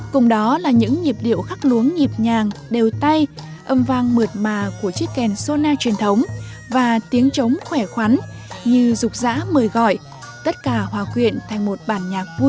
cùng đó là những nhịp điệu khắc luống nhịp nhàng đều tay âm vang mượt mà của chiếc kèn sona truyền thống và tiếng trống khỏe khoắn như rục dã mời gọi tất cả hòa quyện thành một bản nhạc vui